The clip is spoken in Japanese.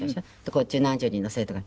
こっち何十人の生徒が。